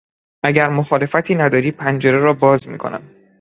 اگر مخالفتی نداری پنجره را باز میکنم.